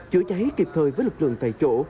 chữa cháy kịp thời với lực lượng tại chỗ